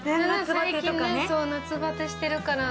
最近、夏バテしてるから。